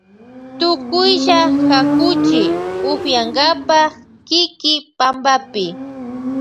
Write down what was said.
Tukuylla hakuchi upiyankapa kiki pampapi.